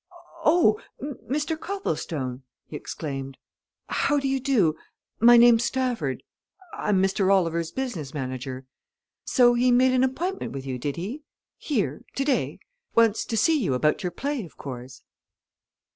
"Oh! Mr. Copplestone?" he exclaimed. "How do you do? My name's Stafford I'm Mr. Oliver's business manager. So he made an appointment with you, did he here, today? Wants to see you about your play, of course."